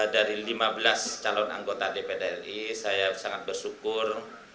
dari lima belas calon anggota dpdri saya sangat bersyukur